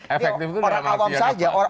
efektif itu dalam artian